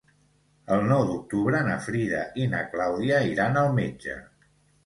El nou d'octubre na Frida i na Clàudia iran al metge.